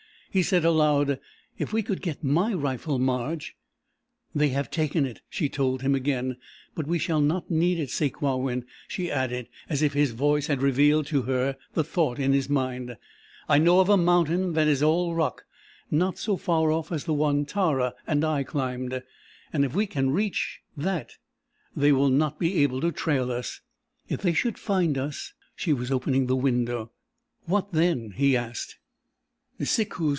He said, aloud: "If we could get my rifle, Marge...." "They have taken it," she told him again. "But we shall not need it. Sakewawin," she added, as if his voice had revealed to her the thought in his mind; "I know of a mountain that is all rock not so far off as the one Tara and I climbed and if we can reach that they will not be able to trail us. If they should find us...." She was opening the window. "What then?" he asked.